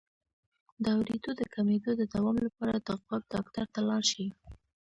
د اوریدو د کمیدو د دوام لپاره د غوږ ډاکټر ته لاړ شئ